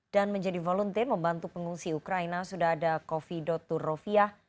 dan menjadi volunteer membantu pengungsi ukraina sudah ada kofi dotturovia